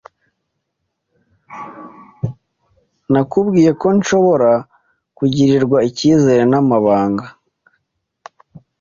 Nakubwiye ko ntashobora kugirirwa ikizere n'amabanga.